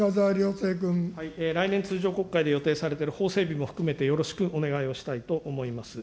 来年、通常国会で予定されている法整備も含めてよろしくお願いをしたいと思います。